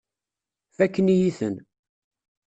Fakken-iyi-ten.